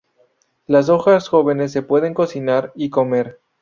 Las hojas jóvenes se pueden cocinar y comer.